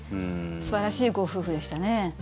素晴らしいご夫婦でしたね。